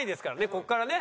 ここからね。